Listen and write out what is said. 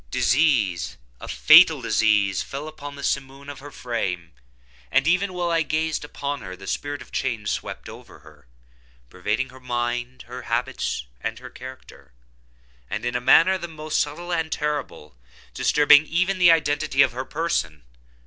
Disease—a fatal disease, fell like the simoon upon her frame; and, even while I gazed upon her, the spirit of change swept over her, pervading her mind, her habits, and her character, and, in a manner the most subtle and terrible, disturbing even the identity of her person!